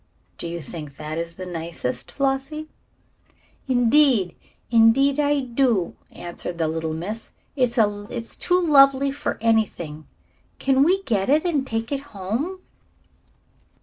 "Do you think that is the nicest, Flossie?" "Indeed, indeed I do," answered the little miss. "It's too lovely for anything. Can't we get it and take it home?"